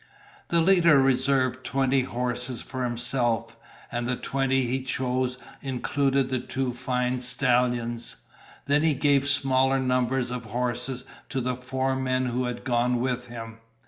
The leader reserved twenty horses for himself, and the twenty he chose included the two fine stallions. Then he gave smaller numbers of horses to the four men who had gone with him.